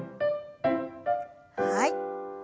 はい。